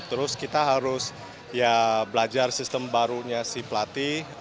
terus kita harus ya belajar sistem barunya si pelatih